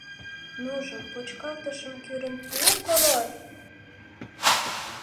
Нужым, почкалтышым кӱрын пу, Король!